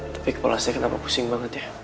tapi kepala saya kenapa pusing banget ya